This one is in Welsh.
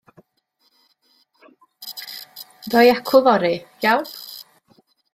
Ddo i acw fory, iawn.